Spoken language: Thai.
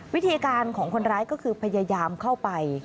วิธีการของคนร้ายก็คือพยายามเข้าไป